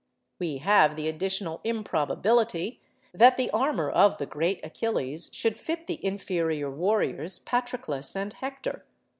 We have the additional improbability that the armour of the great Achilles should fit the inferior warriors Patroclus and Hector.